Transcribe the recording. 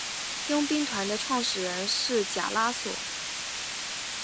佣兵团的创始人是贾拉索。